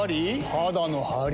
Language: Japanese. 肌のハリ？